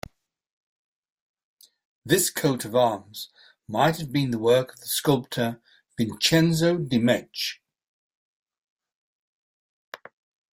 This coat of arms might have been the work of the sculptor Vincenzo Dimech.